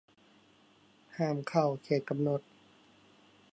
ห้ามเข้าเขตกำหนด